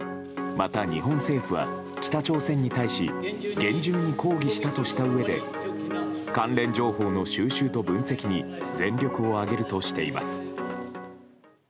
また、日本政府は北朝鮮に対し厳重に抗議したとしたうえで関連情報の収集と分析に全力を挙げるとしています。